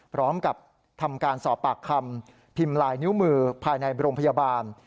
พร้อมกับทำการสอบปากคำพิมพ์ลายนิ้วมือภายในโรงพยาบาล